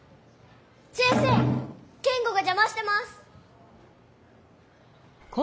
先生ケンゴがじゃましてます！